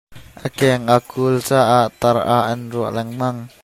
A keng a kul caah tar ah an ruah lengmang.